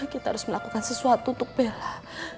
kita harus melakukan sesuatu untuk bela